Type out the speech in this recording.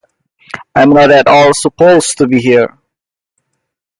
I'm not at all supposed to be here!